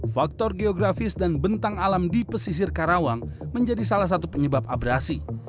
faktor geografis dan bentang alam di pesisir karawang menjadi salah satu penyebab abrasi